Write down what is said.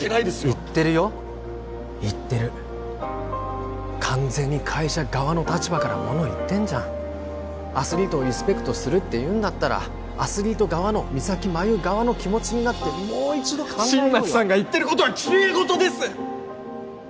言ってるよ言ってる完全に会社側の立場からもの言ってんじゃんアスリートをリスペクトするっていうんだったらアスリート側の三咲麻有側の気持ちになってもう一度考えようよ新町さんが言ってることはきれい事です！